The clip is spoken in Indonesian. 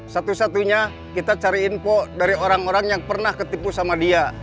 satu satunya kita cari info dari orang orang yang pernah ketipu sama dia